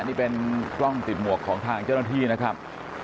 นี่เป็นกล้องติดหมวกของทางเจ้าหน้าที่นะครับ